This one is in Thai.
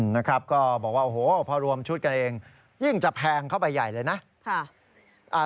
นะครับก็บอกว่าโอ้โหพอรวมชุดกันเองยิ่งจะแพงเข้าไปใหญ่เลยนะ